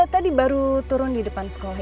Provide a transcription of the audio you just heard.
tadi baru turun di depan sekolah